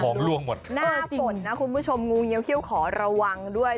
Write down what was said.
ห่องล่วงหมดค่ะน่าป่นนะคุณผู้ชมงูเงียวเขี้ยวขอระวังด้วย